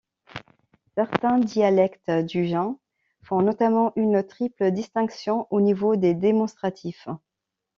Certains dialectes du Jin font notamment une triple distinction au niveau des démonstratifs.